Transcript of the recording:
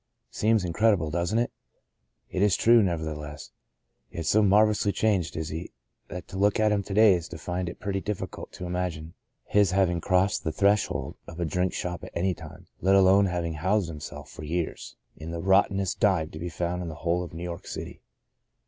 Seems incredible, doesn't it ? It is true, nevertheless. Yet so marvellously changed is he, that to look at him to day is to find it pretty difficult to imagine his having crossed the threshold of a drink shop at any time, let alone having housed himself for years in the rottenest dive to be found in the whole of New York City.